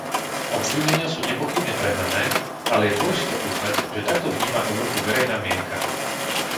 Obvinenia sú nepochybne prehnané, ale je dôležité uznať, že takto vníma Európu verejná mienka.